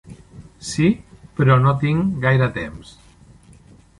Sí, però no tinc gaire temps.